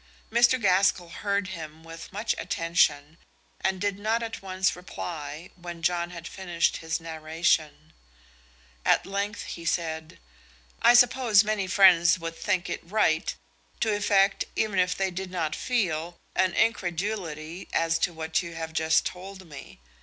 Mr. Gaskell heard him with much attention, and did not at once reply when John had finished his narration. At length he said, "I suppose many friends would think it right to affect, even if they did not feel, an incredulity as to what you have just told me.